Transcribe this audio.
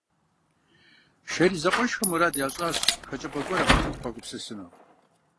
Шэрий зэкъуэшхэм мурад ящӏащ хэкӏыпӏэ гуэр а ӏуэхум къыхуагупсысыну.